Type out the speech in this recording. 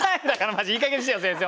マジいい加減にしてよ先生。